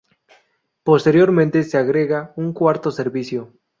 Posteriormente se agrega un cuarto servicio.